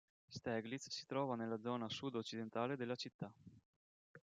Steglitz si trova nella zona sudoccidentale della città.